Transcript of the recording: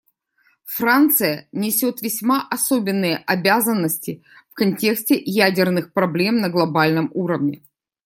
Франция несет весьма особенные обязанности в контексте ядерных проблем на глобальном уровне.